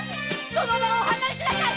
その場をお離れください！